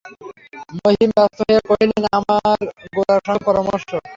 মহিম ব্যস্ত হইয়া কহিলেন, আবার গোরার সঙ্গে পরামর্শ!